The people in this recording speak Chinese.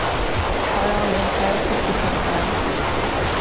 朝阳轮胎是其品牌。